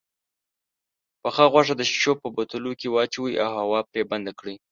پخه غوښه د شيشو په بوتلو کې واچوئ او هوا پرې بنده کړئ.